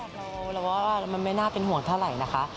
เราว่ามันไม่น่าเป็นห่วงเท่าไหร่นะคะ